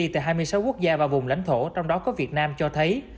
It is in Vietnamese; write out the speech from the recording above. tại hai mươi sáu quốc gia và vùng lãnh thổ trong đó có việt nam cho thấy